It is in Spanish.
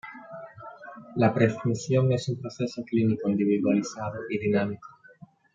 La prescripción es un proceso clínico individualizado y dinámico.